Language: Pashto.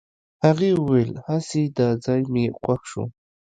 هغې وويل هسې دا ځای مې خوښ شو.